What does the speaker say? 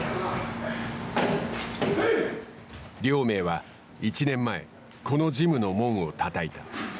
亮明は１年前このジムの門をたたいた。